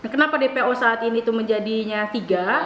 kenapa dpo saat ini itu menjadinya tiga